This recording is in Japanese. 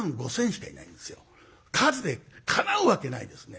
数でかなうわけないですね。